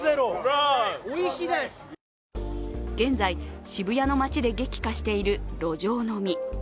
現在、渋谷の街で激化している路上飲み。